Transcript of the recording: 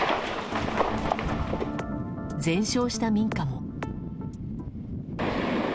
全焼した民家も。